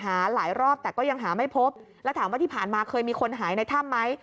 หลายรอบแต่ก็ยังหาไม่พบแล้วถามว่าที่ผ่านมาเคยมีคนหายในถ้ำไหม